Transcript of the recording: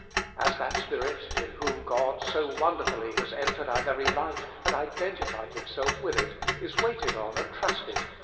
As that Spirit, in whom God, so wonderfully, has entered our very life and identified Himself with it, is waited on and trusted.